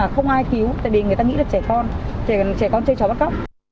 không ai cứu tại vì người ta nghĩ là trẻ con trẻ con chơi trò bắt cóc